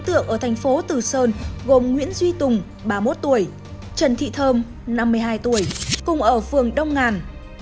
tượng ở thành phố từ sơn gồm nguyễn duy tùng ba mươi một tuổi trần thị thơm năm mươi hai tuổi cùng ở phường đông ngàn